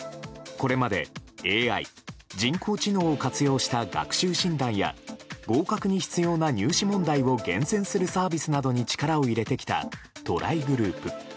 これまでＡＩ・人工知能を活用した学習診断や合格に必要な入試問題を厳選するサービスなどに力を入れてきたトライグループ。